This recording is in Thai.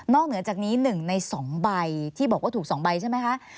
เหนือจากนี้๑ใน๒ใบที่บอกว่าถูก๒ใบใช่ไหมคะ